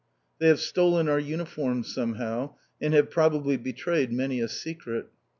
They have stolen our uniforms somehow, and have probably betrayed many a secret.